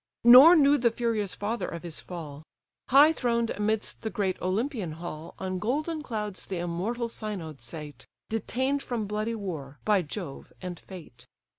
Nor knew the furious father of his fall; High throned amidst the great Olympian hall, On golden clouds th' immortal synod sate; Detain'd from bloody war by Jove and Fate.